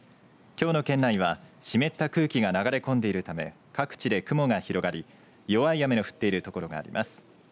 きょうの県内は湿った空気が流れ込んでいるため各地で雲が広がり弱い雨の降っている所があります。